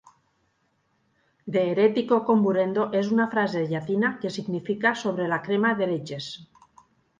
De heretico comburendo és una frase llatina que significa "Sobre la crema d'heretges".